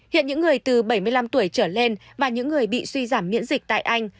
hiện những người từ bảy mươi năm tuổi trở lên và những người bị suy giảm miễn dịch tại anh